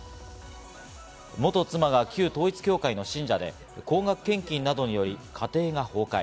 元妻が旧統一教会の信者で高額献金などにより家庭が崩壊。